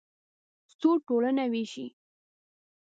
سود ټولنه وېشي.